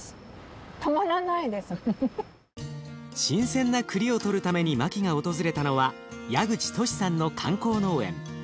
新鮮なくりをとるためにマキが訪れたのは矢口としさんの観光農園。